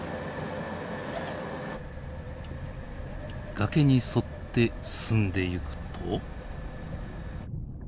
崖に沿って進んでいくと。